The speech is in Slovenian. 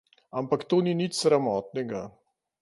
Ampak to ni nič sramotnega.